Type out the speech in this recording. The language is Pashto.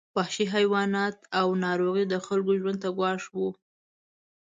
وحشي حیوانات او ناروغۍ د خلکو ژوند ته ګواښ وو.